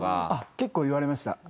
結構言われました。